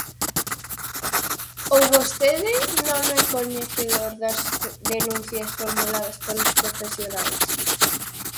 ¿Ou vostede non é coñecedor das denuncias formuladas polos profesionais?